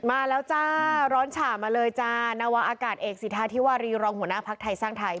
มาแล้วจ้าร้อนฉ่ามาเลยจ้านวะอากาศเอกสิทธาธิวารีรองหัวหน้าภักดิ์ไทยสร้างไทย